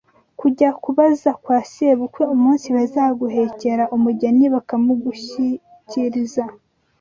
kujya kubaza kwa sebukwe umunsi bazaguhekera umugeni bakamugushyikiriza